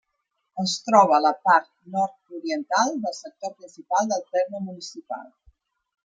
Es troba a la part nord-oriental del sector principal del terme municipal.